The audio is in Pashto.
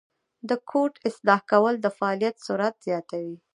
د کوډ اصلاح کول د فعالیت سرعت زیاتوي.